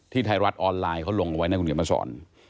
ที่ไทยรัฐออนไลน์เขาลงไว้ในอุณหยุดมาสอน